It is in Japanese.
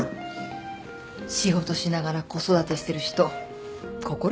仕事しながら子育てしてる人心から尊敬しちゃう。